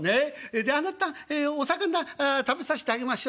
で『あなたお魚食べさせてあげましょうか？』。